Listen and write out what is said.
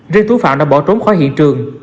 riêng thú phạm đã bỏ trốn khỏi hiện trường